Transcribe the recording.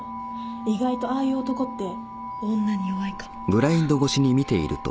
意外とああいう男って女に弱いかも。